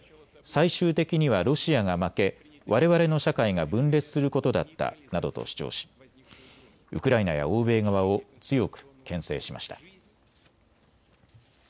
最終的にはロシアが負けわれわれの社会が分裂することだったなどと主張しウクライナや欧米側を強くけん制しました。